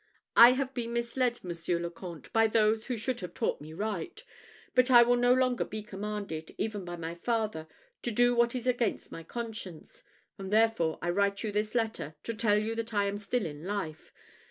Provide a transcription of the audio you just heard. I have been misled, Monsieur le Comte, by those who should have taught me right; but I will no longer be commanded, even by my father, to do what is against my conscience; and, therefore, I write you this letter, to tell you that I am still in life.